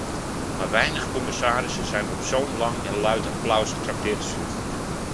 Maar weinig commissarissen zijn op zo'n lang en luid applaus getrakteerd als u.